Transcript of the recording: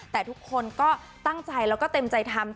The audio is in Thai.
แต่ทุกคนก็ตั้งใจแล้วก็เต็มใจทำ